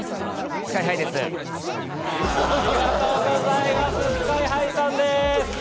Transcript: ＳＫＹ−ＨＩさんです。